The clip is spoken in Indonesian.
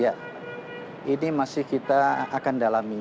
ya ini masih kita akan dalami